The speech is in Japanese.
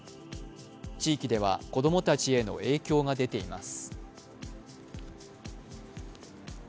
地域では子供たちへの影響が出ています。